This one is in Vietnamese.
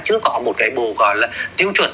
chưa có một cái bộ gọi là tiêu chuẩn